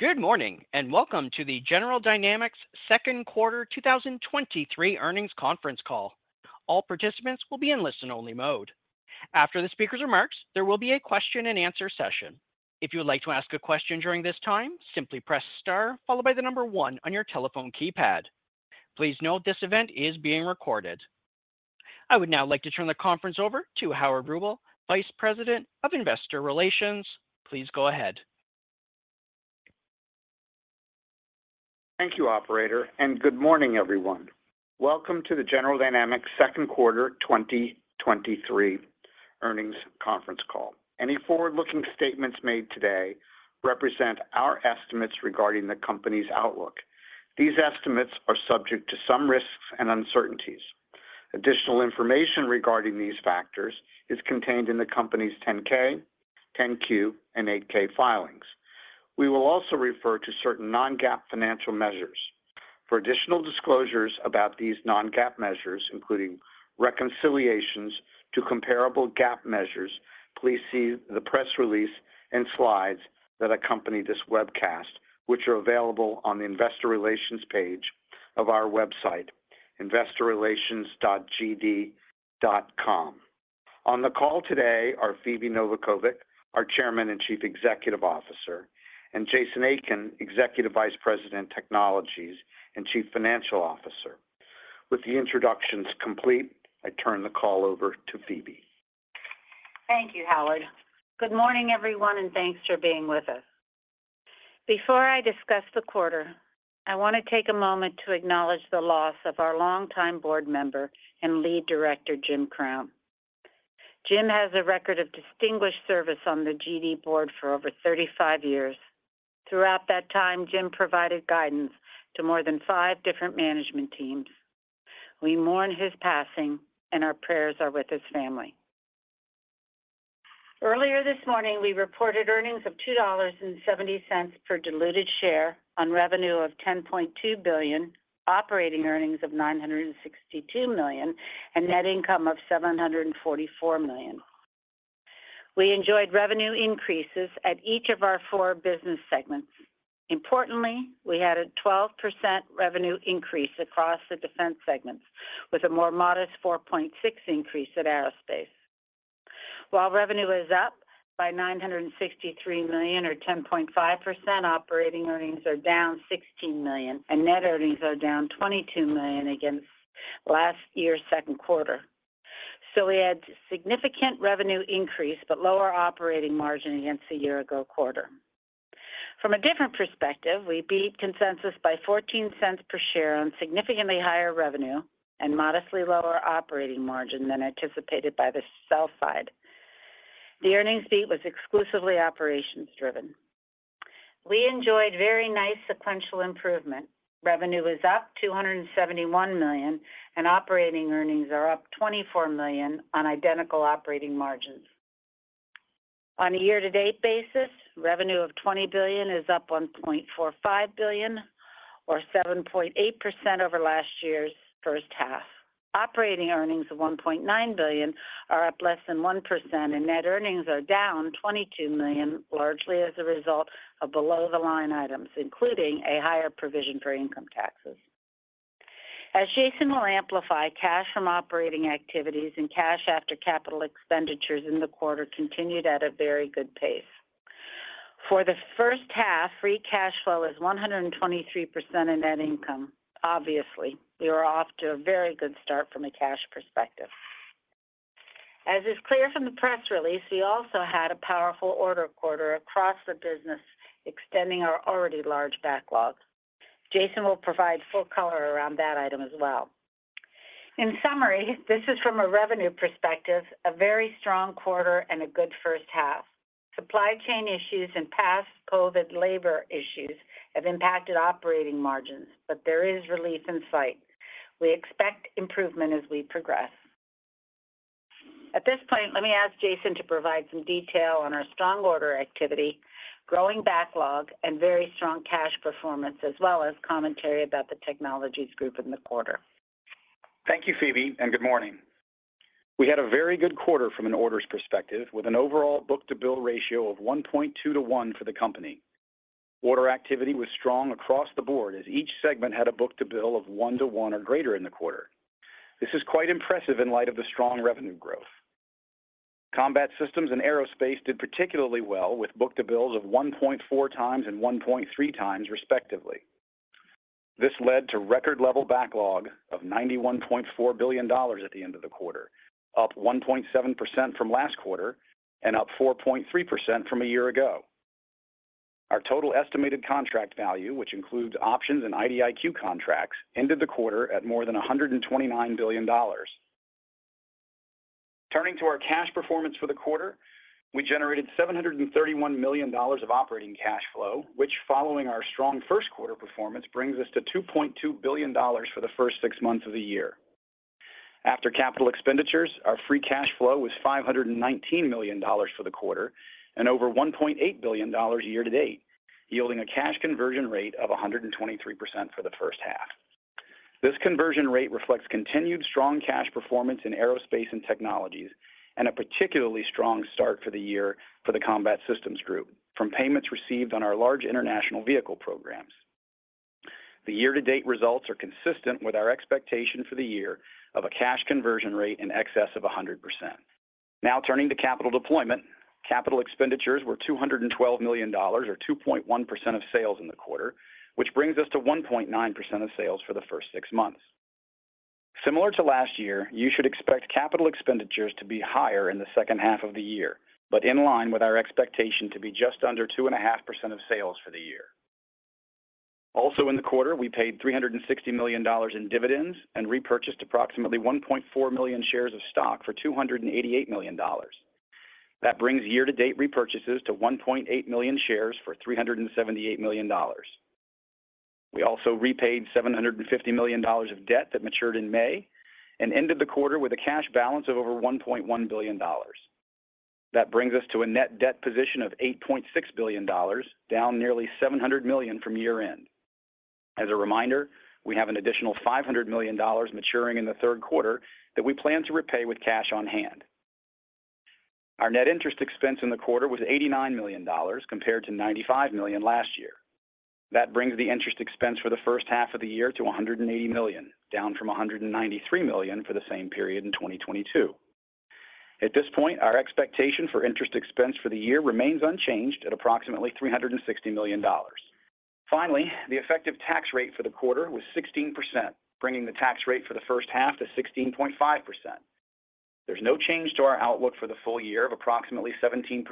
Good morning, and welcome to the General Dynamics Second Quarter 2023 Earnings Conference Call. All participants will be in listen-only mode. After the speaker's remarks, there will be a question and answer session. If you would like to ask a question during this time, simply press Star, followed by the number 1 on your telephone keypad. Please note this event is being recorded. I would now like to turn the conference over to Howard Rubel, Vice President of Investor Relations. Please go ahead. Thank you, operator, and good morning, everyone. Welcome to the General Dynamics Second Quarter 2023 Earnings Conference Call. Any forward-looking statements made today represent our estimates regarding the company's outlook. These estimates are subject to some risks and uncertainties. Additional information regarding these factors is contained in the company's 10-K, 10-Q, and 8-K filings. We will also refer to certain non-GAAP financial measures. For additional disclosures about these non-GAAP measures, including reconciliations to comparable GAAP measures, please see the press release and slides that accompany this webcast, which are available on the investor relations page of our website, investorrelations.gd.com. On the call today are Phebe Novakovic, our Chairman and Chief Executive Officer, and Jason Aiken, Executive Vice President, Technologies and Chief Financial Officer. With the introductions complete, I turn the call over to Phebe. Thank you, Howard. Good morning, everyone, thanks for being with us. Before I discuss the quarter, I want to take a moment to acknowledge the loss of our longtime board member and lead director, Jim Crown. Jim has a record of distinguished service on the GD board for over 35 years. Throughout that time, Jim provided guidance to more than five different management teams. We mourn his passing, our prayers are with his family. Earlier this morning, we reported earnings of $2.70 per diluted share on revenue of $10.2 billion, operating earnings of $962 million, and net income of $744 million. We enjoyed revenue increases at each of our four business segments. Importantly, we had a 12% revenue increase across the defense segments, with a more modest 4.6% increase at Aerospace. While revenue is up by $963 million or 10.5%, operating earnings are down $16 million, and net earnings are down $22 million against last year's second quarter. We had significant revenue increase, but lower operating margin against the year-ago quarter. From a different perspective, we beat consensus by $0.14 per share on significantly higher revenue and modestly lower operating margin than anticipated by the sell side. The earnings beat was exclusively operations-driven. We enjoyed very nice sequential improvement. Revenue is up $271 million, and operating earnings are up $24 million on identical operating margins. On a year-to-date basis, revenue of $20 billion is up $1.45 billion or 7.8% over last year's first half. Operating earnings of $1.9 billion are up less than 1%. Net earnings are down $22 million, largely as a result of below-the-line items, including a higher provision for income taxes. As Jason will amplify, cash from operating activities and cash after capital expenditures in the quarter continued at a very good pace. For the first half, free cash flow is 123% in net income. Obviously, we are off to a very good start from a cash perspective. As is clear from the press release, we also had a powerful order quarter across the business, extending our already large backlog. Jason will provide full color around that item as well. In summary, this is from a revenue perspective, a very strong quarter and a good first half. Supply chain issues and past COVID labor issues have impacted operating margins, but there is relief in sight. We expect improvement as we progress. At this point, let me ask Jason to provide some detail on our strong order activity, growing backlog, and very strong cash performance, as well as commentary about the Technologies group in the quarter. Thank you, Phebe, and good morning. We had a very good quarter from an orders perspective, with an overall book-to-bill ratio of 1.2 to 1 for the company. Order activity was strong across the board as each segment had a book-to-bill of 1 to 1 or greater in the quarter. This is quite impressive in light of the strong revenue growth. Combat Systems and Aerospace did particularly well with book-to-bills of 1.4x and 1.3x, respectively. This led to record-level backlog of $91.4 billion at the end of the quarter, up 1.7% from last quarter and up 4.3% from a year ago. Our total estimated contract value, which includes options and IDIQ contracts, ended the quarter at more than $129 billion. Turning to our cash performance for the quarter, we generated $731 million of operating cash flow, which, following our strong first quarter performance, brings us to $2.2 billion for the first six months of the year. After capital expenditures, our free cash flow was $519 million for the quarter and over $1.8 billion year to date, yielding a cash conversion rate of 123% for the first half. This conversion rate reflects continued strong cash performance in Aerospace and Technologies, and a particularly strong start for the year for the Combat Systems group from payments received on our large international vehicle programs. The year-to-date results are consistent with our expectation for the year of a cash conversion rate in excess of 100%. Now, turning to capital deployment. Capital expenditures were $212 million, or 2.1% of sales in the quarter, which brings us to 1.9% of sales for the first 6 months. Similar to last year, you should expect capital expenditures to be higher in the second half of the year, but in line with our expectation to be just under 2.5% of sales for the year. Also in the quarter, we paid $360 million in dividends and repurchased approximately 1.4 million shares of stock for $288 million. That brings year-to-date repurchases to 1.8 million shares for $378 million. We also repaid $750 million of debt that matured in May and ended the quarter with a cash balance of over $1.1 billion. That brings us to a net debt position of $8.6 billion, down nearly $700 million from year-end. As a reminder, we have an additional $500 million maturing in the third quarter that we plan to repay with cash on hand. Our net interest expense in the quarter was $89 million, compared to $95 million last year. That brings the interest expense for the first half of the year to $180 million, down from $193 million for the same period in 2022. At this point, our expectation for interest expense for the year remains unchanged at approximately $360 million. Finally, the effective tax rate for the quarter was 16%, bringing the tax rate for the first half to 16.5%. There's no change to our outlook for the full year of approximately 17%,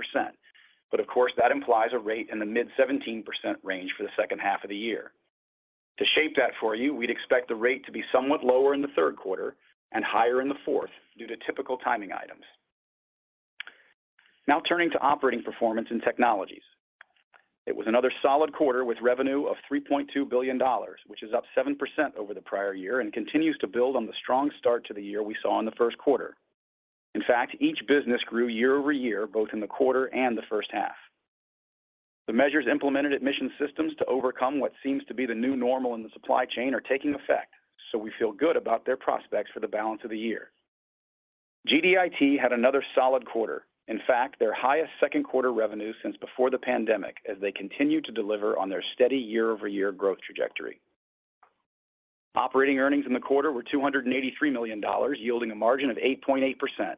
but of course, that implies a rate in the mid-17% range for the second half of the year. To shape that for you, we'd expect the rate to be somewhat lower in the third quarter and higher in the fourth due to typical timing items. Now turning to operating performance in Technologies. It was another solid quarter with revenue of $3.2 billion, which is up 7% over the prior year and continues to build on the strong start to the year we saw in the first quarter. In fact, each business grew year-over-year, both in the quarter and the first half. The measures implemented at Mission Systems to overcome what seems to be the new normal in the supply chain are taking effect, so we feel good about their prospects for the balance of the year. GDIT had another solid quarter. In fact, their highest second-quarter revenue since before the pandemic, as they continue to deliver on their steady year-over-year growth trajectory. Operating earnings in the quarter were $283 million, yielding a margin of 8.8%.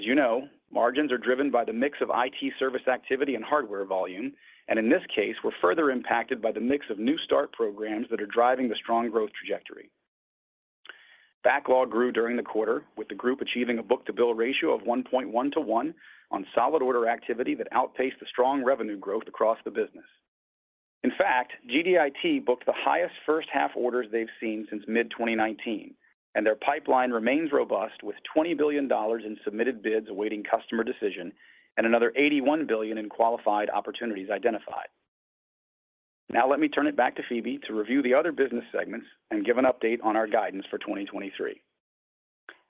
You know, margins are driven by the mix of IT service activity and hardware volume, in this case, were further impacted by the mix of new start programs that are driving the strong growth trajectory. Backlog grew during the quarter, with the group achieving a book-to-bill ratio of 1.1 to 1 on solid order activity that outpaced the strong revenue growth across the business. In fact, GDIT booked the highest first-half orders they've seen since mid-2019, their pipeline remains robust, with $20 billion in submitted bids awaiting customer decision and another $81 billion in qualified opportunities identified. Let me turn it back to Phebe to review the other business segments and give an update on our guidance for 2023.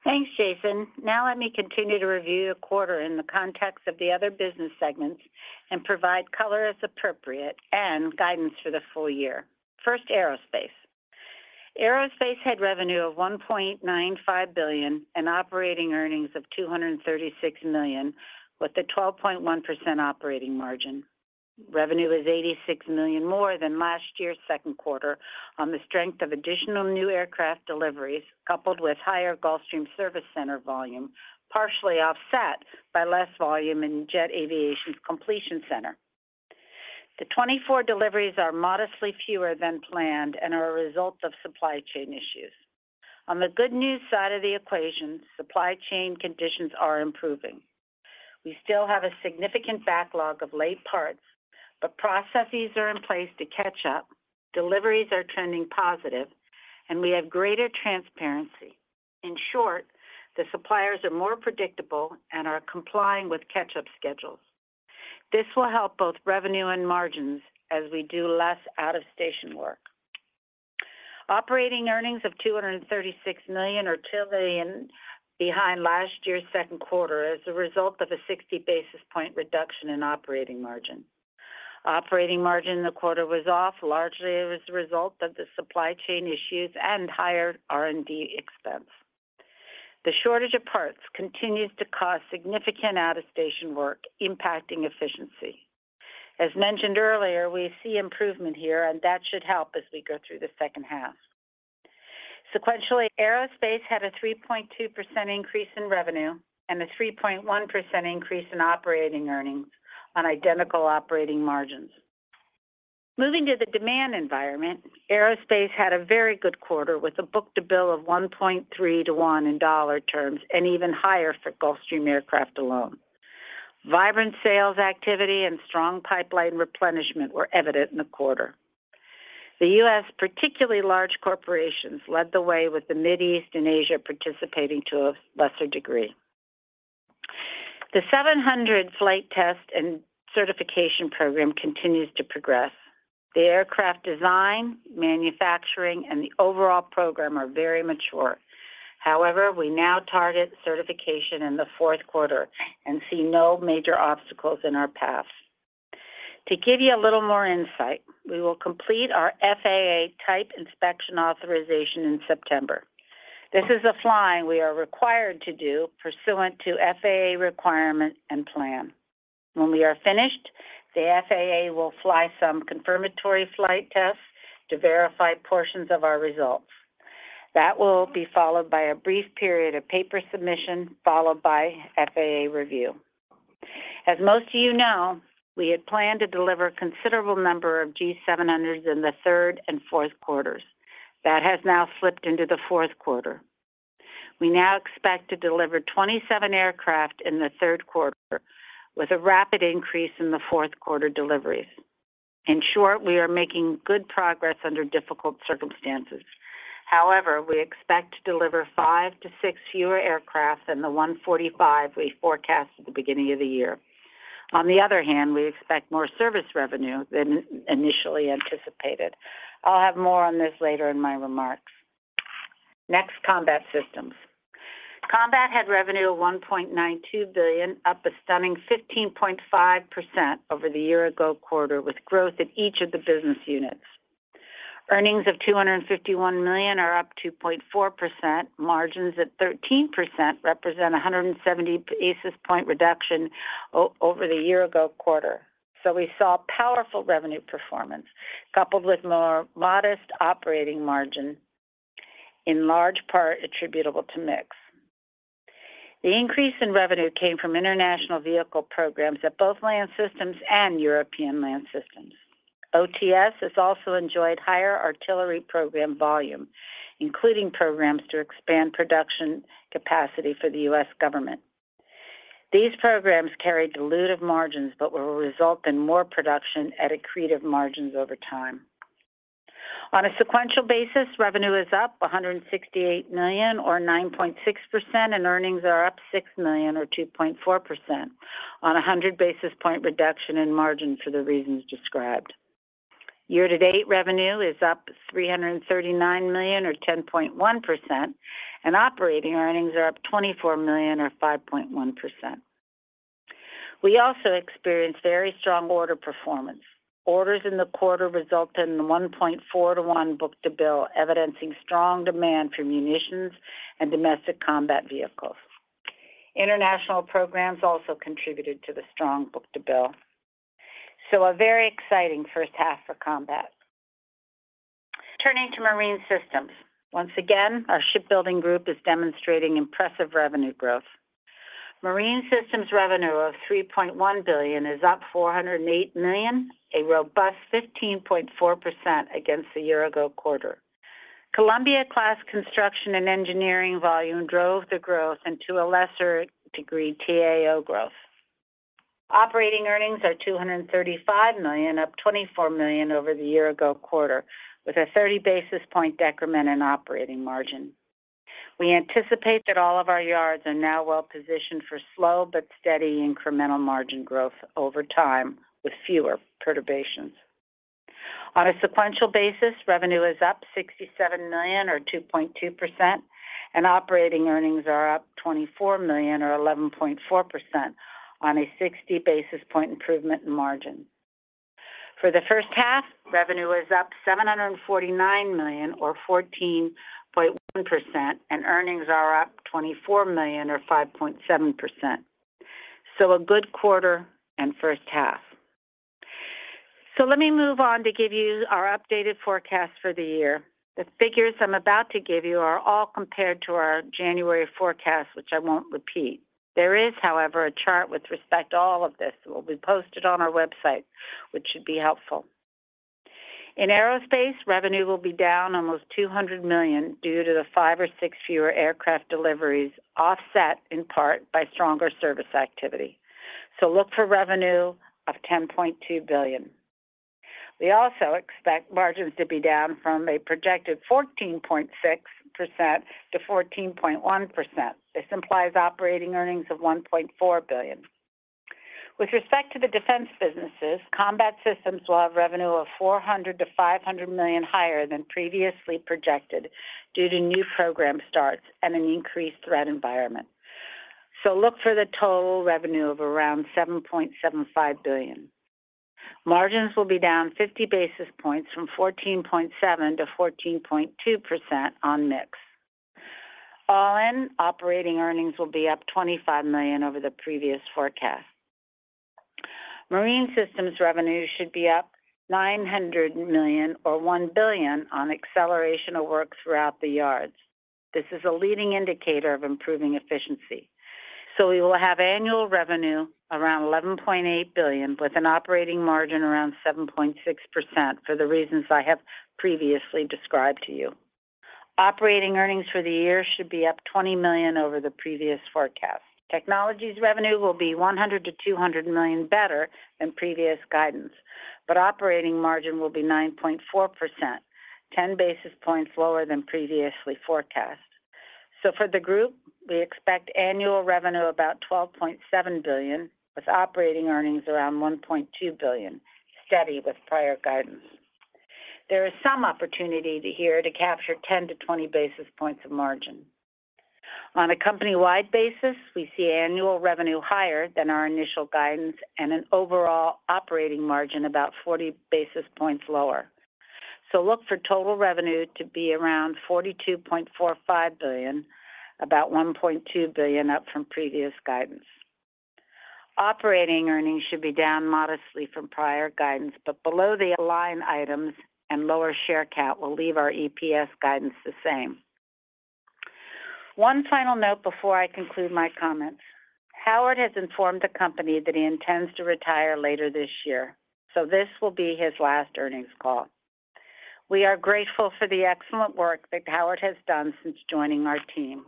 Thanks, Jason. Let me continue to review the quarter in the context of the other business segments and provide color as appropriate and guidance for the full year. First, Aerospace. Aerospace had revenue of $1.95 billion and operating earnings of $236 million, with a 12.1% operating margin. Revenue is $86 million more than last year's second quarter on the strength of additional new aircraft deliveries, coupled with higher Gulfstream service center volume, partially offset by less volume in Jet Aviation's completion center. The 24 deliveries are modestly fewer than planned and are a result of supply chain issues. On the good news side of the equation, supply chain conditions are improving. We still have a significant backlog of late parts, but processes are in place to catch up, deliveries are trending positive, and we have greater transparency. In short, the suppliers are more predictable and are complying with catch-up schedules. This will help both revenue and margins as we do less out-of-station work. Operating earnings of $236 million are $2 million behind last year's second quarter as a result of a 60 basis point reduction in operating margin. Operating margin in the quarter was off, largely as a result of the supply chain issues and higher R&D expense. The shortage of parts continues to cause significant out-of-station work, impacting efficiency. As mentioned earlier, we see improvement here, and that should help as we go through the second half. Sequentially, Aerospace had a 3.2% increase in revenue and a 3.1% increase in operating earnings on identical operating margins. Moving to the demand environment, Aerospace had a very good quarter with a book-to-bill of 1.3 to 1 in dollar terms and even higher for Gulfstream aircraft alone. Vibrant sales activity and strong pipeline replenishment were evident in the quarter. The U.S., particularly large corporations, led the way with the Middle East and Asia participating to a lesser degree. The G700 flight test and certification program continues to progress. The aircraft design, manufacturing, and the overall program are very mature. However, we now target certification in the fourth quarter and see no major obstacles in our path. To give you a little more insight, we will complete our FAA Type Inspection Authorization in September. This is a flying we are required to do pursuant to FAA requirement and plan. When we are finished, the FAA will fly some confirmatory flight tests to verify portions of our results. That will be followed by a brief period of paper submission, followed by FAA review. As most of you know, we had planned to deliver a considerable number of G700s in the third and fourth quarters. That has now slipped into the fourth quarter. We now expect to deliver 27 aircraft in the third quarter, with a rapid increase in the fourth quarter deliveries. In short, we are making good progress under difficult circumstances. We expect to deliver 5 to 6 fewer aircraft than the 145 we forecast at the beginning of the year. On the other hand, we expect more service revenue than initially anticipated. I'll have more on this later in my remarks. Combat Systems. Combat had revenue of $1.92 billion, up a stunning 15.5% over the year-ago quarter, with growth in each of the business units. Earnings of $251 million are up 2.4%. Margins at 13% represent a 170 basis point reduction over the year ago quarter. We saw powerful revenue performance, coupled with more modest operating margin, in large part attributable to mix. The increase in revenue came from international vehicle programs at both Land Systems and European Land Systems. OTS has also enjoyed higher artillery program volume, including programs to expand production capacity for the U.S. government. These programs carry dilutive margins, but will result in more production at accretive margins over time. On a sequential basis, revenue is up $168 million or 9.6%, and earnings are up $6 million or 2.4% on a 100 basis point reduction in margin for the reasons described. Year-to-date revenue is up $339 million or 10.1%, and operating earnings are up $24 million or 5.1%. We also experienced very strong order performance. Orders in the quarter resulted in 1.4 to 1 book-to-bill, evidencing strong demand for munitions and domestic combat vehicles. International programs also contributed to the strong book-to-bill. A very exciting first half for Combat. Turning to Marine Systems. Once again, our shipbuilding group is demonstrating impressive revenue growth. Marine Systems revenue of $3.1 billion is up $408 million, a robust 15.4% against the year ago quarter. Columbia class construction and engineering volume drove the growth and to a lesser degree, T-AO growth. Operating earnings are $235 million, up $24 million over the year ago quarter, with a 30 basis point decrement in operating margin. We anticipate that all of our yards are now well-positioned for slow but steady incremental margin growth over time, with fewer perturbations. On a sequential basis, revenue is up $67 million or 2.2%, and operating earnings are up $24 million or 11.4% on a 60 basis point improvement in margin. For the first half, revenue is up $749 million or 14.1%, and earnings are up $24 million or 5.7%. A good quarter and first half. Let me move on to give you our updated forecast for the year. The figures I'm about to give you are all compared to our January forecast, which I won't repeat. There is, however, a chart with respect to all of this will be posted on our website, which should be helpful. In Aerospace, revenue will be down almost $200 million due to the five or six fewer aircraft deliveries, offset in part by stronger service activity. Look for revenue of $10.2 billion. We also expect margins to be down from a projected 14.6% to 14.1%. This implies operating earnings of $1.4 billion. With respect to the defense businesses, Combat Systems will have revenue of $400 million-$500 million higher than previously projected due to new program starts and an increased threat environment. Look for the total revenue of around $7.75 billion. Margins will be down 50 basis points from 14.7% to 14.2% on mix. All in, operating earnings will be up $25 million over the previous forecast. Marine Systems revenue should be up $900 million or $1 billion on acceleration of work throughout the yards. This is a leading indicator of improving efficiency. We will have annual revenue around $11.8 billion, with an operating margin around 7.6% for the reasons I have previously described to you. Operating earnings for the year should be up $20 million over the previous forecast. Technologies revenue will be $100 million-$200 million better than previous guidance, but operating margin will be 9.4%, 10 basis points lower than previously forecast. For the group, we expect annual revenue about $12.7 billion, with operating earnings around $1.2 billion, steady with prior guidance. There is some opportunity here to capture 10-20 basis points of margin. On a company-wide basis, we see annual revenue higher than our initial guidance and an overall operating margin about 40 basis points lower. Look for total revenue to be around $42.45 billion, about $1.2 billion up from previous guidance. Operating earnings should be down modestly from prior guidance, below the line items and lower share count will leave our EPS guidance the same. One final note before I conclude my comments. Howard has informed the company that he intends to retire later this year, this will be his last earnings call. We are grateful for the excellent work that Howard has done since joining our team.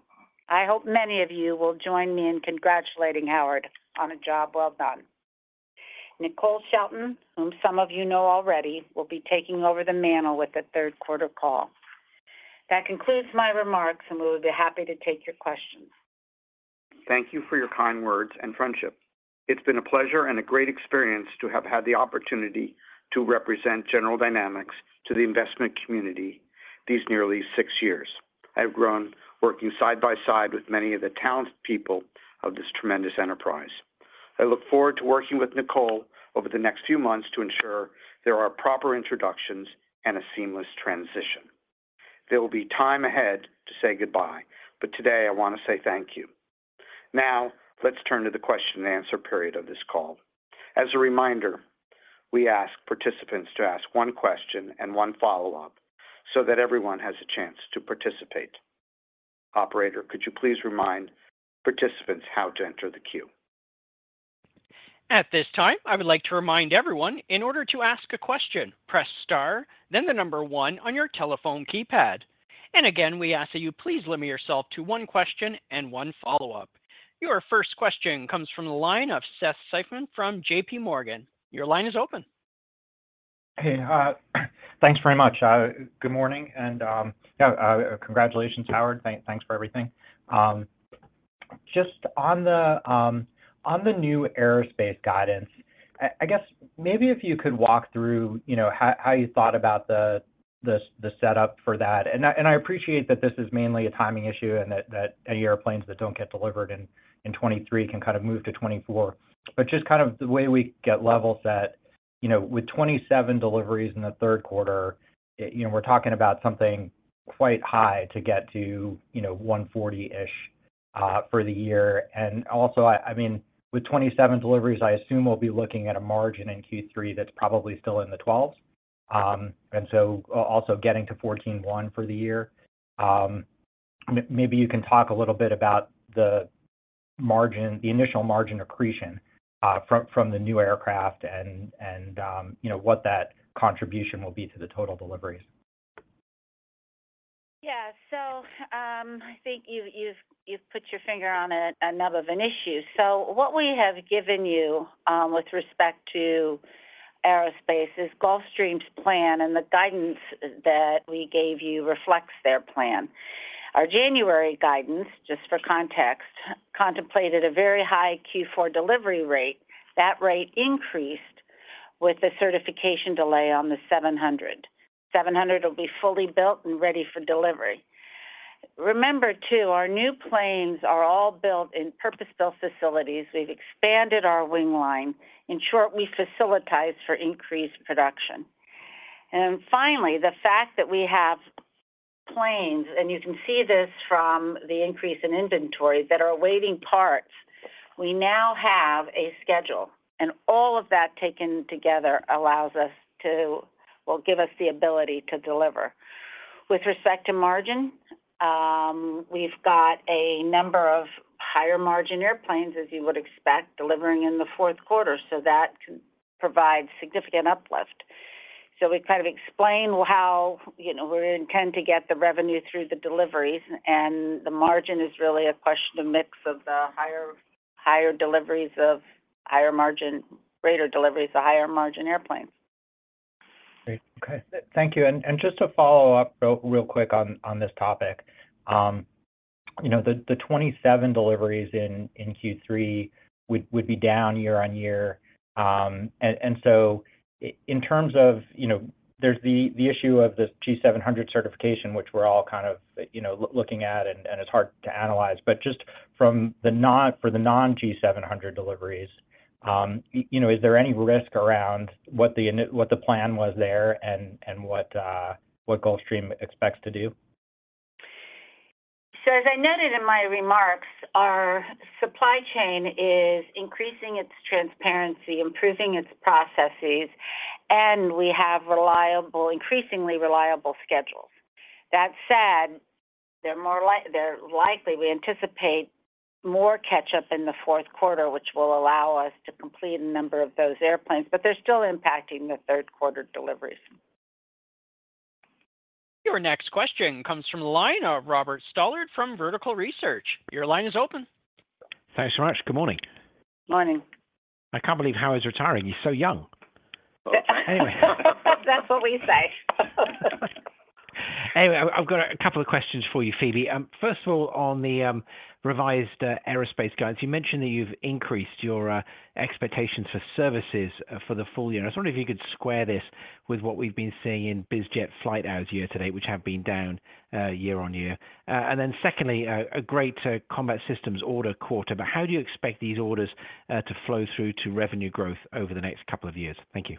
I hope many of you will join me in congratulating Howard on a job well done. Nicole Shelton, whom some of you know already, will be taking over the mantle with the third quarter call. That concludes my remarks. We would be happy to take your questions. Thank you for your kind words and friendship. It's been a pleasure and a great experience to have had the opportunity to represent General Dynamics to the investment community these nearly six years. I've grown working side by side with many of the talented people of this tremendous enterprise. I look forward to working with Nicole over the next few months to ensure there are proper introductions and a seamless transition. There will be time ahead to say goodbye, but today I want to say thank you. Now, let's turn to the question and answer period of this call. As a reminder, we ask participants to ask one question and one follow-up so that everyone has a chance to participate. Operator, could you please remind participants how to enter the queue? At this time, I would like to remind everyone, in order to ask a question, press star, then the number one on your telephone keypad. Again, we ask that you please limit yourself to one question and one follow-up. Your first question comes from the line of Seth Seifman from JPMorgan. Your line is open. Hey, thanks very much. Good morning, and, yeah, congratulations, Howard. Thanks for everything. Just on the new Aerospace guidance, I guess maybe if you could walk through, you know, how you thought about the setup for that. I appreciate that this is mainly a timing issue and that any airplanes that don't get delivered in 2023 can kind of move to 2024. Just kind of the way we get level set, you know, with 27 deliveries in the third quarter, you know, we're talking about something quite high to get to, you know, 140-ish for the year. I mean, with 27 deliveries, I assume we'll be looking at a margin in Q3 that's probably still in the 12s. Also getting to 14.1 for the year. Maybe you can talk a little bit about the margin, the initial margin accretion, from the new aircraft and, you know, what that contribution will be to the total deliveries? I think you've put your finger on a nub of an issue. What we have given you with respect to Aerospace is Gulfstream's plan, and the guidance that we gave you reflects their plan. Our January guidance, just for context, contemplated a very high Q4 delivery rate. That rate increased with the certification delay on the 700. 700 will be fully built and ready for delivery. Remember, too, our new planes are all built in purpose-built facilities. We've expanded our wing line. In short, we facilitized for increased production. Finally, the fact that we have planes, and you can see this from the increase in inventory, that are awaiting parts, we now have a schedule, and all of that taken together allows us to give us the ability to deliver. With respect to margin, we've got a number of higher-margin airplanes, as you would expect, delivering in the fourth quarter, so that can provide significant uplift. We kind of explain how, you know, we intend to get the revenue through the deliveries, and the margin is really a question of mix of the higher deliveries of higher margin, greater deliveries of higher-margin airplanes. Great. Okay. Thank you. Just to follow up real quick on this topic. You know, the 27 deliveries in Q3 would be down year-on-year. And so in terms of, you know, there's the issue of the G700 certification, which we're all kind of, you know, looking at, and it's hard to analyze. Just for the non-G700 deliveries, you know, is there any risk around what the plan was there and what Gulfstream expects to do? As I noted in my remarks, our supply chain is increasing its transparency, improving its processes, and we have reliable, increasingly reliable schedules. That said, they're likely, we anticipate more catch-up in the fourth quarter, which will allow us to complete a number of those airplanes, but they're still impacting the third quarter deliveries. Your next question comes from the line of Robert Stallard from Vertical Research. Your line is open. Thanks very much. Good morning. Morning. I can't believe Howard's retiring. He's so young. Anyway. That's what we say. Anyway, I've got a couple of questions for you, Phebe. First of all, on the revised Aerospace guidance, you mentioned that you've increased your expectations for services for the full year. I was wondering if you could square this with what we've been seeing in biz jet flight hours year-to-date, which have been down year-on-year? Secondly, a great Combat Systems order quarter, but how do you expect these orders to flow through to revenue growth over the next couple of years? Thank you.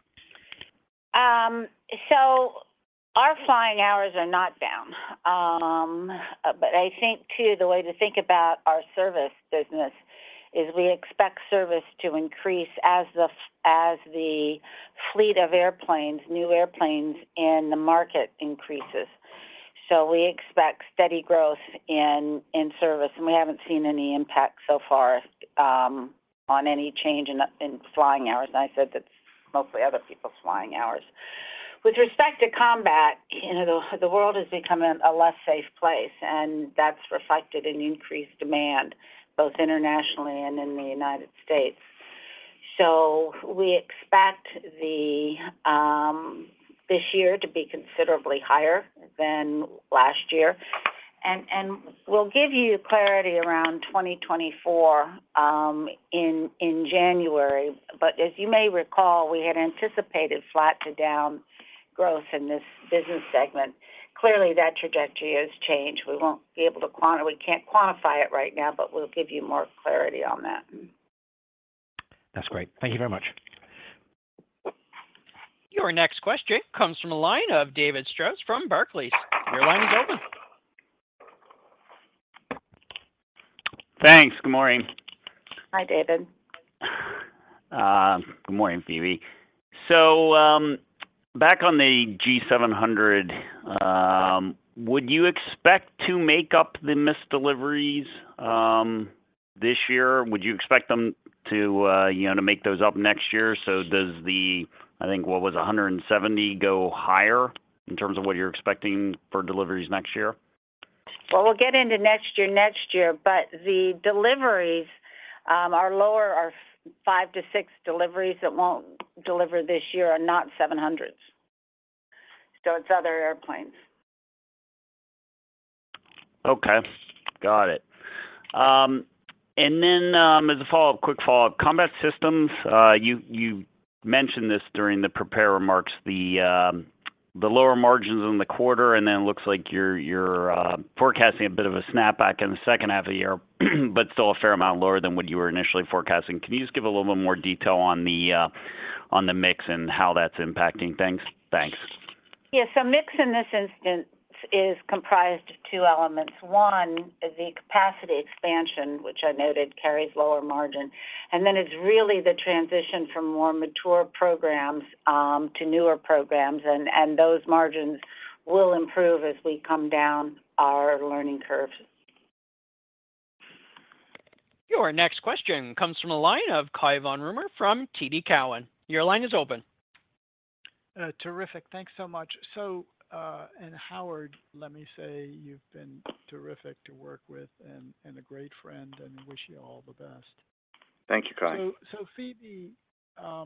Our flying hours are not down. I think, too, the way to think about our service business is we expect service to increase as the fleet of airplanes, new airplanes in the market increases. We expect steady growth in service, and we haven't seen any impact so far on any change in flying hours, and I said that's mostly other people's flying hours. With respect to combat, you know, the world has become a less safe place, and that's reflected in increased demand, both internationally and in the United States. We expect this year to be considerably higher than last year. We'll give you clarity around 2024 in January. As you may recall, we had anticipated flat-to-down growth in this business segment. Clearly, that trajectory has changed. We can't quantify it right now, but we'll give you more clarity on that. That's great. Thank you very much. Your next question comes from the line of David Strauss from Barclays. Your line is open. Thanks. Good morning. Hi, David. Good morning, Phebe. Back on the G700, would you expect to make up the missed deliveries this year? Would you expect them to, you know, to make those up next year? Does the, I think, what was it, 170 go higher in terms of what you're expecting for deliveries next year? We'll get into next year, next year, but the deliveries are lower, 5-6 deliveries that won't deliver this year, are not G700s. It's other airplanes. Okay. Got it. as a follow-up, quick follow-up, Combat Systems, you mentioned this during the prepared remarks, the lower margins in the quarter, it looks like you're forecasting a bit of a snapback in the second half of the year, but still a fair amount lower than what you were initially forecasting. Can you just give a little bit more detail on the mix and how that's impacting things? Thanks. Yeah, mix in this instance is comprised of two elements. One is the capacity expansion, which I noted carries lower margin, it's really the transition from more mature programs to newer programs, and those margins will improve as we come down our learning curves. Your next question comes from the line of Cai von Rumohr from TD Cowen. Your line is open. Terrific. Thanks so much. Howard, let me say, you've been terrific to work with and a great friend, and wish you all the best. Thank you, Cai. Phebe, how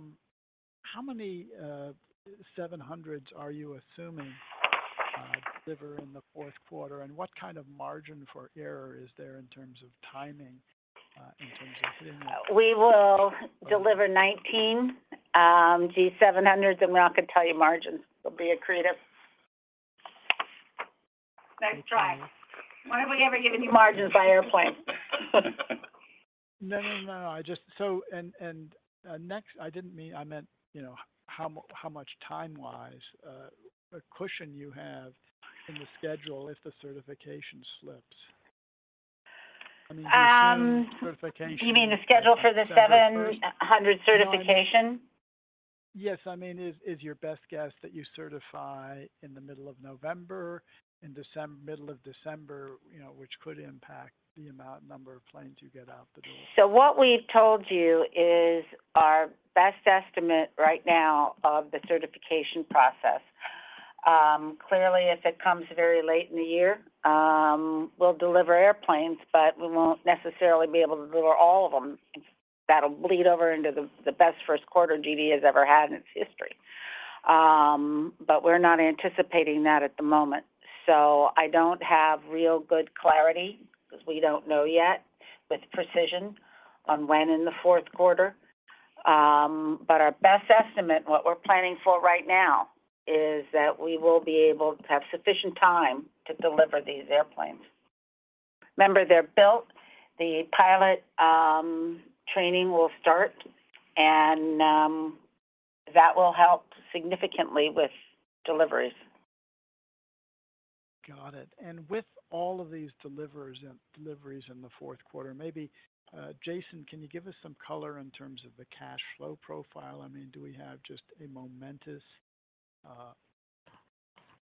many G700s are you assuming deliver in the fourth quarter? What kind of margin for error is there in terms of timing, in terms of delivery? We will deliver 19 G700s, and we're not going to tell you margins. It'll be a creative. Nice try. Why have we ever given you margins by airplane? No, no. I just. Next, I didn't mean, I meant, you know, how much time-wise, a cushion you have in the schedule if the certification slips? I mean, you assume certification- You mean the schedule for the G700 certification? Yes. I mean, is your best guess that you certify in the middle of November, in middle of December, you know, which could impact the amount, number of planes you get out the door? What we've told you is our best estimate right now of the certification process. Clearly, if it comes very late in the year, we'll deliver airplanes, but we won't necessarily be able to deliver all of them. That'll bleed over into the best first quarter GD has ever had in its history. We're not anticipating that at the moment, so I don't have real good clarity because we don't know yet with precision on when in the fourth quarter. Our best estimate, what we're planning for right now, is that we will be able to have sufficient time to deliver these airplanes. Remember, they're built, the pilot, training will start, and that will help significantly with deliveries. Got it. With all of these deliveries in the fourth quarter, maybe, Jason, can you give us some color in terms of the cash flow profile? I mean, do we have just a momentous,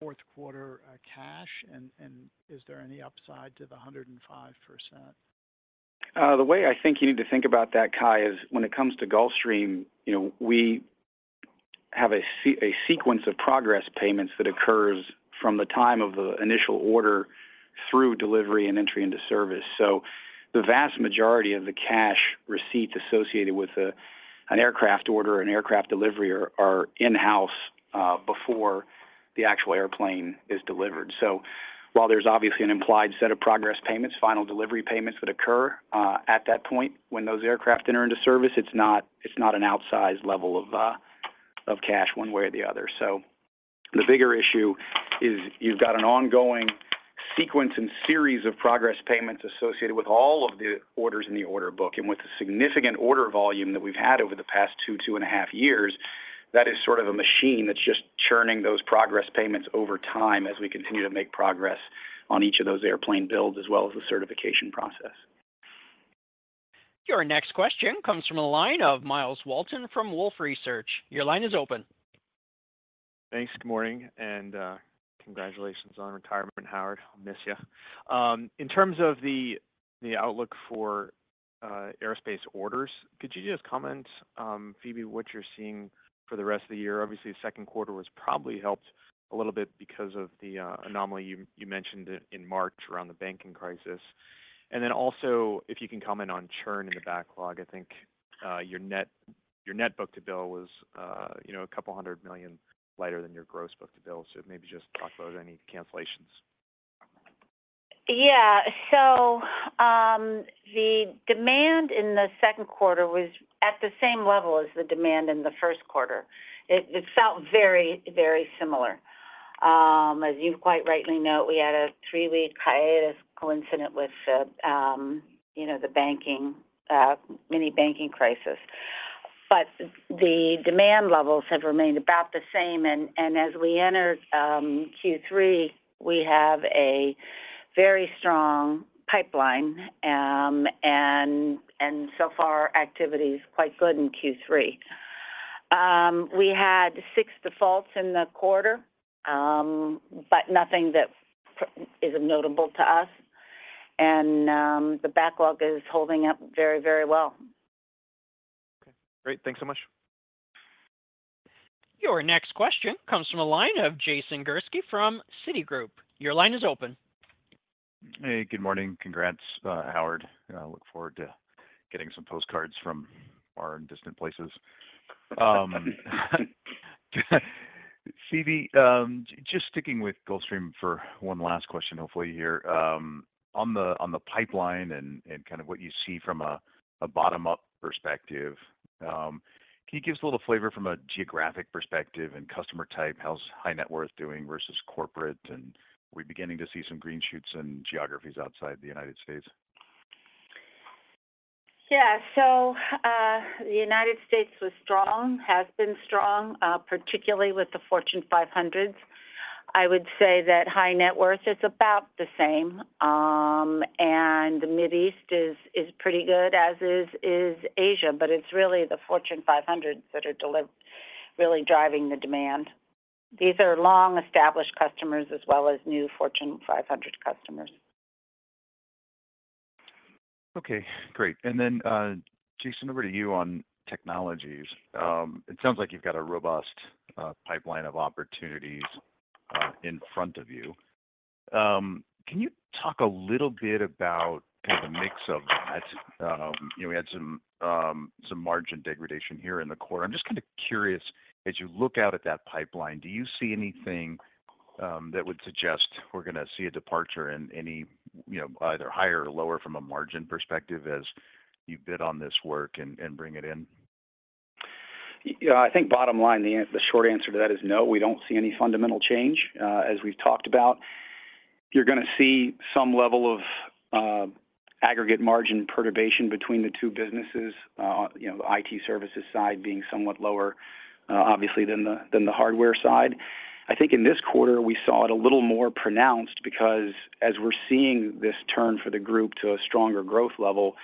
fourth quarter, cash, and is there any upside to the 105%? The way I think you need to think about that, Kai, is when it comes to Gulfstream, you know, we have a sequence of progress payments that occurs from the time of the initial order through delivery and entry into service. The vast majority of the cash receipts associated with an aircraft order or an aircraft delivery are in-house before the actual airplane is delivered. While there's obviously an implied set of progress payments, final delivery payments would occur at that point when those aircraft enter into service, it's not an outsized level of cash one way or the other. The bigger issue is you've got an ongoing sequence and series of progress payments associated with all of the orders in the order book. With the significant order volume that we've had over the past 2 and a half years, that is sort of a machine that's just churning those progress payments over time as we continue to make progress on each of those airplane builds, as well as the certification process. Your next question comes from the line of Myles Walton from Wolfe Research. Your line is open. Thanks. Good morning, and congratulations on retirement, Howard. I'll miss you. In terms of the outlook for aerospace orders, could you just comment, Phebe, what you're seeing for the rest of the year? Obviously, the second quarter was probably helped a little bit because of the anomaly you mentioned in March around the banking crisis. Also, if you can comment on churn in the backlog, I think, your net, your net book-to-bill was, you know, $200 million lighter than your gross book-to-bill. Maybe just talk about any cancellations. The demand in the second quarter was at the same level as the demand in the first quarter. It, it felt very, very similar. As you quite rightly note, we had a three-week hiatus coincident with, you know, the banking mini banking crisis. The demand levels have remained about the same, and as we enter Q3, we have a very strong pipeline. So far, activity is quite good in Q3. We had six defaults in the quarter, but nothing that is notable to us, and the backlog is holding up very, very well. Okay, great. Thanks so much. Your next question comes from a line of Jason Gursky from Citigroup. Your line is open. Hey, good morning. Congrats, Howard. I look forward to getting some postcards from far and distant places. Phebe, just sticking with Gulfstream for one last question, hopefully, here. On the pipeline and kind of what you see from a bottom-up perspective, can you give us a little flavour from a geographic perspective and customer type? How's high net worth doing versus corporate, and are we beginning to see some green shoots in geographies outside the United States? The United States was strong, has been strong, particularly with the Fortune 500s. I would say that high net worth is about the same, and the Mid East is pretty good, as is Asia, but it's really the Fortune 500s that are really driving the demand. These are long-established customers as well as new Fortune 500 customers. Okay, great. Jason, over to you on technologies. It sounds like you've got a robust pipeline of opportunities in front of you. Can you talk a little bit about kind of the mix of that? You know, we had some margin degradation here in the quarter. I'm just kind of curious, as you look out at that pipeline, do you see anything that would suggest we're gonna see a departure in any, you know, either higher or lower from a margin perspective as you bid on this work and bring it in? I think bottom line, the short answer to that is no, we don't see any fundamental change. As we've talked about, you're gonna see some level of aggregate margin perturbation between the two businesses, you know, IT services side being somewhat lower, obviously than the hardware side. I think in this quarter, we saw it a little more pronounced because as we're seeing this turn for the group to a stronger growth level,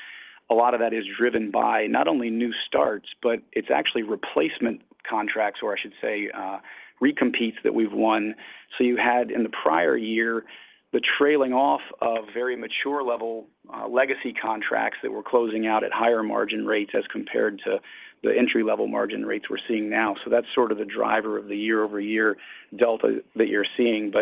a lot of that is driven by not only new starts, but it's actually replacement contracts, or I should say, recompetes that we've won. You had, in the prior year, the trailing off of very mature level, legacy contracts that were closing out at higher margin rates as compared to the entry-level margin rates we're seeing now. That's sort of the driver of the year-over-year delta that you're seeing.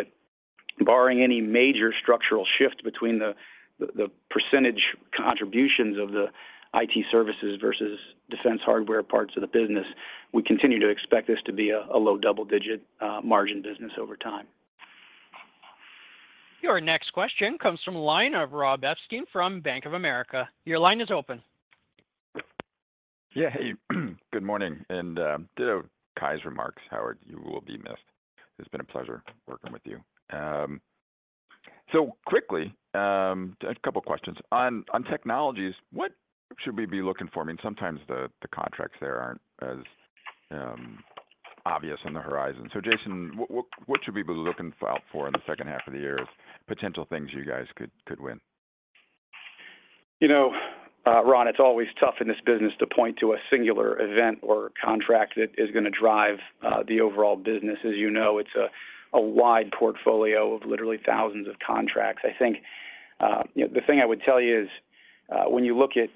Barring any major structural shift between the percentage contributions of the IT services versus defense hardware parts of the business, we continue to expect this to be a low double-digit margin business over time. Your next question comes from a line of Ron Epstein from Bank of America. Your line is open. Hey, good morning, and to Cai's remarks. Howard, you will be missed. It's been a pleasure working with you. Quickly, a couple questions. On technologies, what should we be looking for? I mean, sometimes the contracts there aren't as obvious on the horizon. Jason, what should we be looking out for in the second half of the year as potential things you guys could win? You know, Ron, it's always tough in this business to point to a singular event or contract that is gonna drive the overall business. As you know, it's a wide portfolio of literally thousands of contracts. I think, you know, the thing I would tell you is when you look at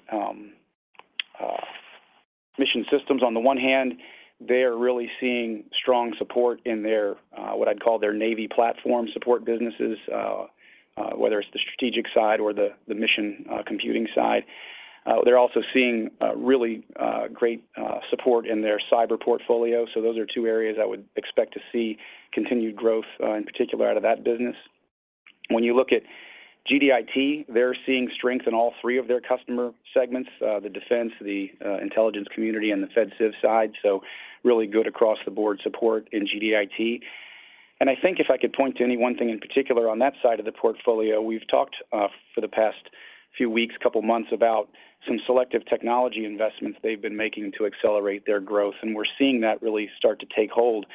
Mission Systems, on the one hand, they are really seeing strong support in their what I'd call their Navy platform support businesses, whether it's the strategic side or the mission computing side. They're also seeing really great support in their cyber portfolio. Those are two areas I would expect to see continued growth in particular, out of that business. When you look at GDIT, they're seeing strength in all three of their customer segments, the defense, the intelligence community, and the fed civ side, so really good across the board support in GDIT. I think if I could point to any one thing in particular on that side of the portfolio, we've talked for the past few weeks, couple of months, about some selective technology investments they've been making to accelerate their growth, and we're seeing that really start to take hold.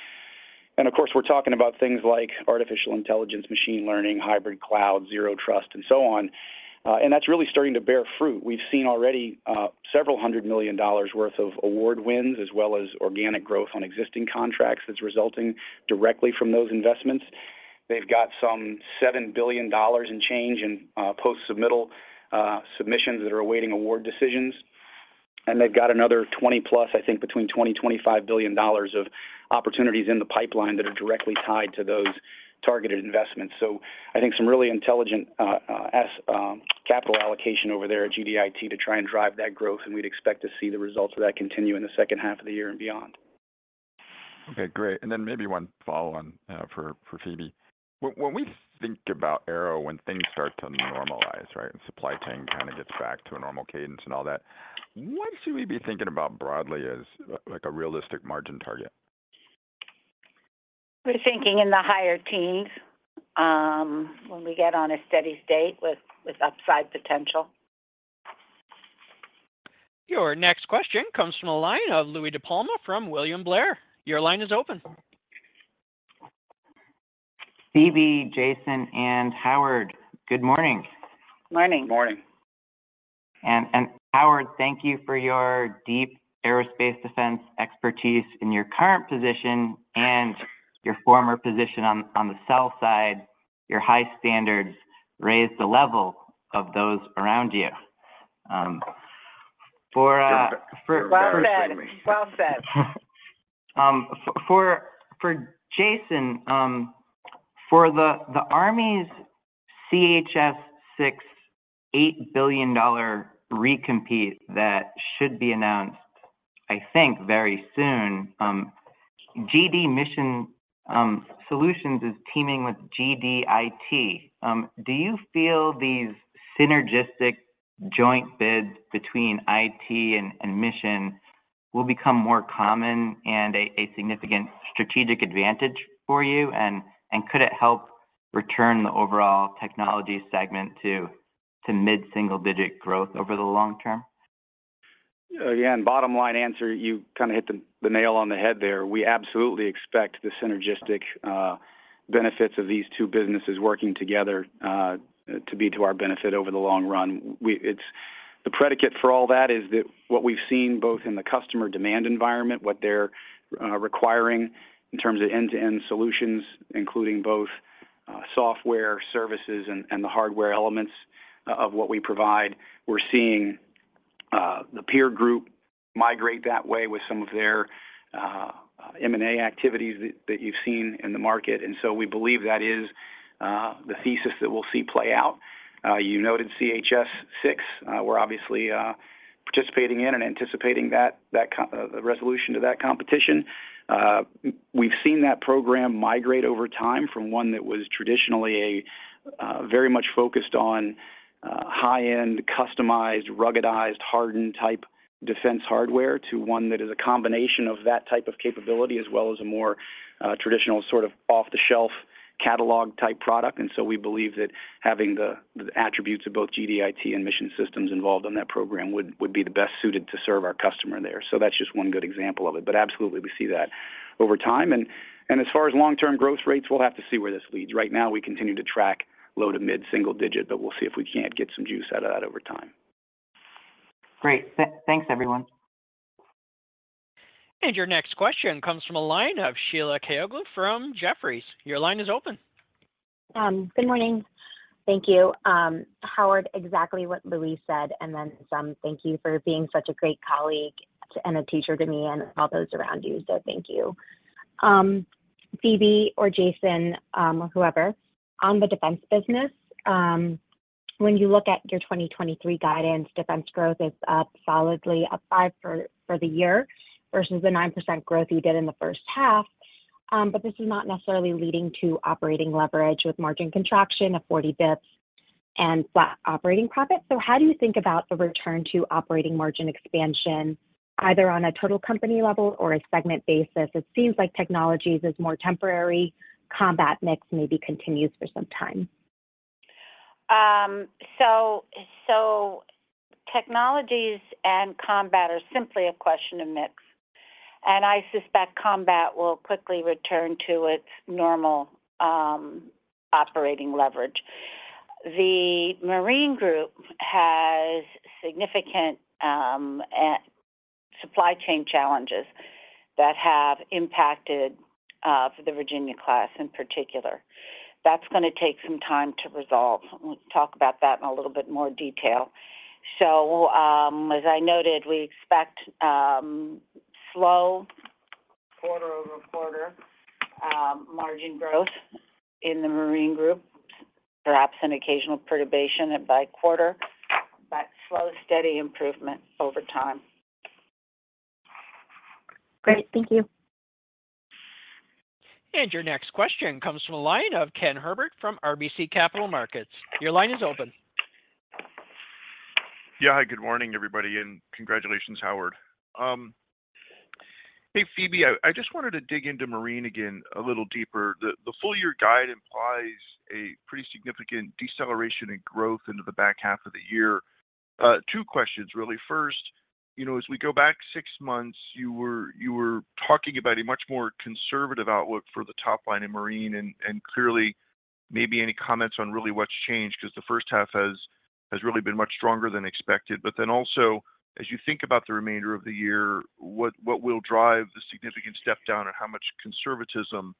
Of course, we're talking about things like artificial intelligence, machine learning, hybrid cloud, zero trust, and so on. That's really starting to bear fruit. We've seen already several hundred million dollars worth of award wins, as well as organic growth on existing contracts that's resulting directly from those investments. They've got some $7 billion in change in, post-submittal, submissions that are awaiting award decisions. They've got another 20-plus, I think between $20 billion and $25 billion of opportunities in the pipeline that are directly tied to those targeted investments. I think some really intelligent, capital allocation over there at GDIT to try and drive that growth, and we'd expect to see the results of that continue in the second half of the year and beyond. Okay, great. Then maybe one follow-on for Phoebe. When we think about Aero, when things start to normalize, right, and supply chain kind of gets back to a normal cadence and all that, what should we be thinking about broadly as, like, a realistic margin target? We're thinking in the higher teens, when we get on a steady state with upside potential. Your next question comes from the line of Louie DiPalma from William Blair. Your line is open. Phebe, Jason, and Howard, good morning. Morning. Morning. Howard, thank you for your deep aerospace defense expertise in your current position and your former position on the sell side. Your high standards raised the level of those around you. Well said. Well said. For Jason, for the Army's CHS-6, $8 billion recompete that should be announced, I think, very soon, GD Mission Systems is teaming with GDIT. Do you feel these synergistic joint bids between IT and Mission will become more common and a significant strategic advantage for you? Could it help return the overall technology segment to mid-single-digit growth over the long term? Again, bottom line answer, you kind of hit the nail on the head there. We absolutely expect the synergistic benefits of these two businesses working together to be to our benefit over the long run. The predicate for all that is that what we've seen, both in the customer demand environment, what they're requiring in terms of end-to-end solutions, including both software services and the hardware elements of what we provide. We're seeing the peer group migrate that way with some of their M&A activities that you've seen in the market, we believe that is the thesis that we'll see play out. You noted CHS-6. We're obviously participating in and anticipating that the resolution to that competition. We've seen that program migrate over time from one that was traditionally a very much focused on high-end, customized, ruggedized, hardened-type defense hardware, to one that is a combination of that type of capability, as well as a more traditional, sort of, off-the-shelf catalog-type product. We believe that having the attributes of both GDIT and Mission Systems involved on that program would be the best suited to serve our customer there. So that's just one good example of it. Absolutely, we see that over time. As far as long-term growth rates, we'll have to see where this leads. Right now, we continue to track low to mid-single digit, but we'll see if we can't get some juice out of that over time. Great. Thanks, everyone. Your next question comes from a line of Sheila Kahyaoglu from Jefferies. Your line is open. Good morning. Thank you. Howard, exactly what Louie said, and then some, thank you for being such a great colleague and a teacher to me and all those around you. Thank you. Phebe or Jason, or whoever, on the defense business, when you look at your 2023 guidance, defense growth is up solidly, up 5 for the year versus the 9% growth you did in the first half. This is not necessarily leading to operating leverage with margin contraction of 40 bits and flat operating profits. How do you think about the return to operating margin expansion, either on a total company level or a segment basis? It seems like Technologies is more temporary, Combat mix maybe continues for some time. So technologies and combat are simply a question of mix, and I suspect combat will quickly return to its normal operating leverage. The marine group has significant supply chain challenges that have impacted the Virginia class in particular. That's gonna take some time to resolve. We'll talk about that in a little bit more detail. As I noted, we expect slow quarter-over-quarter margin growth in the Marine group, perhaps an occasional perturbation by quarter, but slow, steady improvement over time. Great. Thank you. Your next question comes from the line of Ken Herbert from RBC Capital Markets. Your line is open. Yeah, hi, good morning, everybody. Congratulations, Howard. Hey, Phebe, I just wanted to dig into Marine again a little deeper. The full year guide implies a pretty significant deceleration in growth into the back half of the year. 2 questions, really. First, you know, as we go back 6 months, you were talking about a much more conservative outlook for the top line in Marine, clearly, maybe any comments on really what's changed, because the first half has really been much stronger than expected. As you think about the remainder of the year, what will drive the significant step down, and how much conservatism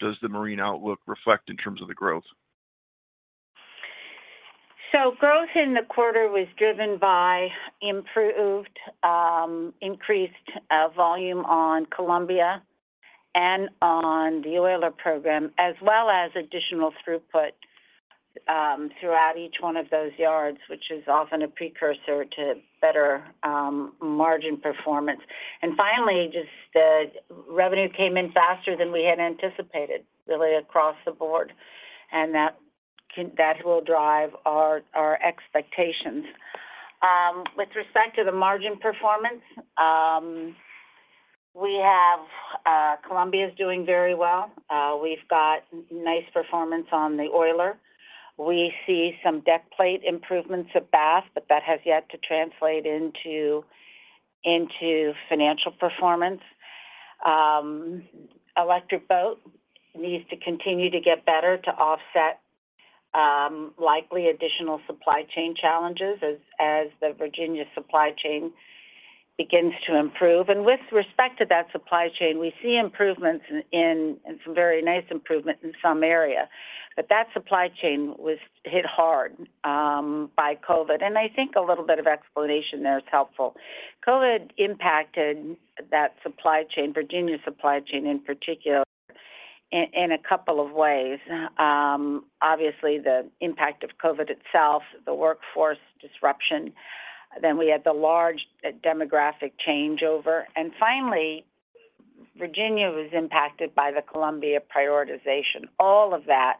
does the Marine outlook reflect in terms of the growth? Growth in the quarter was driven by improved, increased volume on Columbia and on the oiler program, as well as additional throughput throughout each one of those yards, which is often a precursor to better margin performance. Finally, just the revenue came in faster than we had anticipated, really, across the board, and that will drive our expectations. With respect to the margin performance, we have Columbia's doing very well. We've got nice performance on the oiler. We see some deck plate improvements at Bath, but that has yet to translate into financial performance. Electric Boat needs to continue to get better to offset likely additional supply chain challenges as the Virginia supply chain begins to improve. With respect to that supply chain, we see improvements in and some very nice improvement in some area, but that supply chain was hit hard by COVID, and I think a little bit of explanation there is helpful. COVID impacted that supply chain, Virginia supply chain in particular, in a couple of ways. Obviously, the impact of COVID itself, the workforce disruption, then we had the large demographic changeover, and finally, Virginia was impacted by the Columbia prioritization. All of that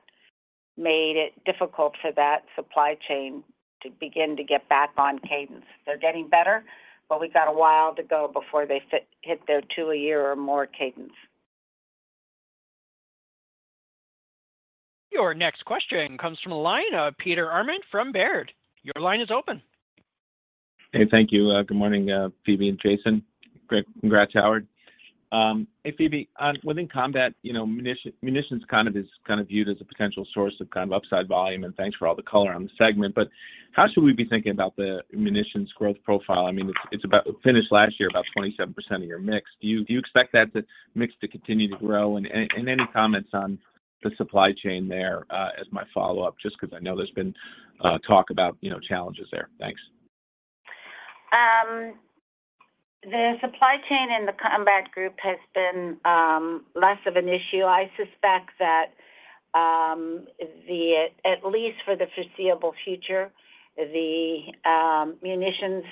made it difficult for that supply chain to begin to get back on cadence. They're getting better, but we've got a while to go before they hit their 2-a-year or more cadence. Your next question comes from the line of Peter Arment from Baird. Your line is open. Hey, thank you. Good morning, Phebe and Jason. Great. Congrats, Howard. Hey, Phebe, within combat, you know, munitions kind of is kind of viewed as a potential source of kind of upside volume, and thanks for all the color on the segment, but how should we be thinking about the munitions growth profile? I mean, finished last year, about 27% of your mix. Do you expect that, the mix to continue to grow? Any comments on the supply chain there, as my follow-up, just because I know there's been talk about, you know, challenges there. Thanks. The supply chain in the Combat Group has been less of an issue. I suspect that, at least for the foreseeable future, the munitions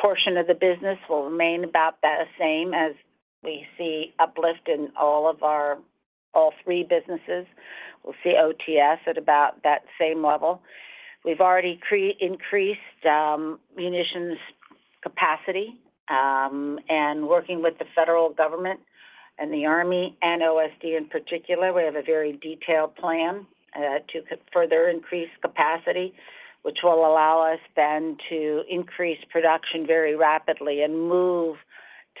portion of the business will remain about the same as we see uplift in all 3 businesses. We'll see OTS at about that same level. We've already increased munitions capacity, and working with the federal government and the Army and OSD in particular, we have a very detailed plan to further increase capacity, which will allow us then to increase production very rapidly and move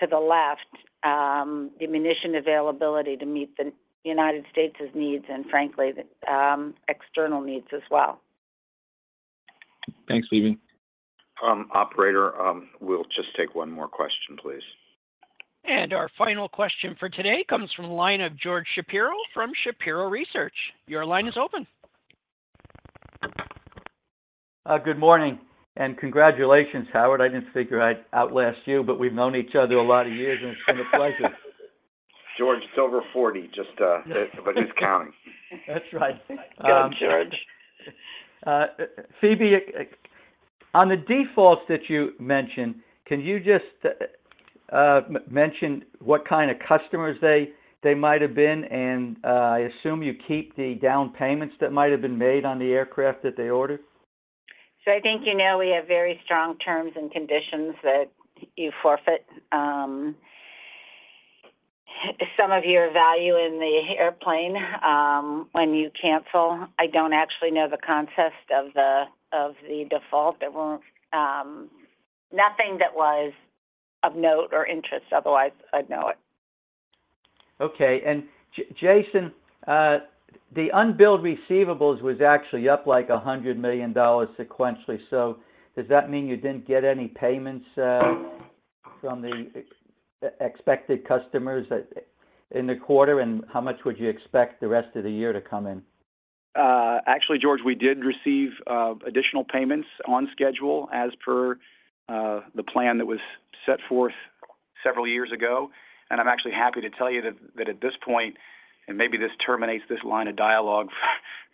to the left, the munition availability to meet the United States' needs and frankly, the external needs as well. Thanks, Phebe. Operator, we'll just take one more question, please. Our final question for today comes from the line of George Shapiro from Shapiro Research. Your line is open. Good morning, and congratulations, Howard. I didn't figure I'd outlast you, but we've known each other a lot of years, and it's been a pleasure. George, it's over 40, just, if I'm just counting. That's right. Go, George. Phebe, on the defaults that you mentioned, can you just mention what kind of customers they might have been? I assume you keep the down payments that might have been made on the aircraft that they ordered? I think you know we have very strong terms and conditions that you forfeit, some of your value in the airplane, when you cancel. I don't actually know the context of the, of the default. There weren't nothing that was of note or interest, otherwise I'd know it. Okay, Jason, the unbilled receivables was actually up, like, $100 million sequentially. Does that mean you didn't get any payments from the expected customers that, in the quarter, and how much would you expect the rest of the year to come in? Actually, George, we did receive additional payments on schedule as per the plan that was set forth several years ago. I'm actually happy to tell you that, at this point, and maybe this terminates this line of dialogue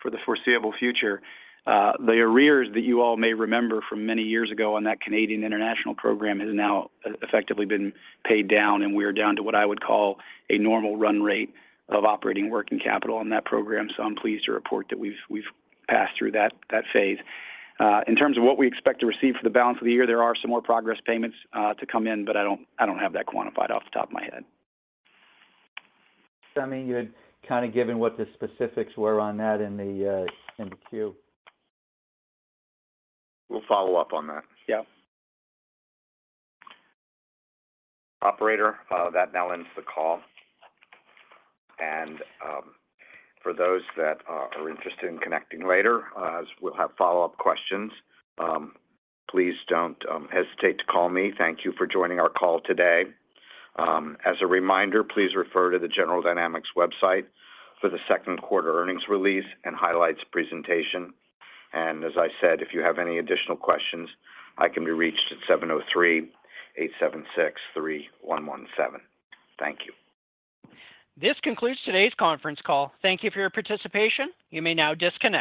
for the foreseeable future, the arrears that you all may remember from many years ago on that Canadian international program has now effectively been paid down, and we're down to what I would call a normal run rate of operating working capital on that program. I'm pleased to report that we've passed through that phase. In terms of what we expect to receive for the balance of the year, there are some more progress payments to come in, but I don't have that quantified off the top of my head. I mean, you had kind of given what the specifics were on that in the, in the queue. We'll follow up on that. Yeah. Operator, that now ends the call. For those that are interested in connecting later, as we'll have follow-up questions, please don't hesitate to call me. Thank you for joining our call today. As a reminder, please refer to the General Dynamics website for the Second Quarter Earnings release and highlights presentation. As I said, if you have any additional questions, I can be reached at 703-876-3117. Thank you. This concludes today's Conference Call. Thank you for your participation. You may now disconnect.